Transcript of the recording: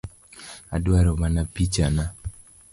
Adwaro mana picha na